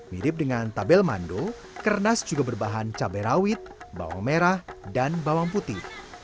mirip dengan tabel mando kernas juga berbahan cabai rawit bawang merah dan bawang putih